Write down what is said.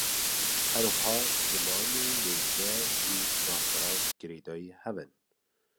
Her wiha ziman û wêje jî rasterast girêdayî hev in